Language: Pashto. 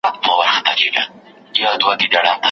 شپه په اوښکو لمبومه پروانې چي هېر مي نه کې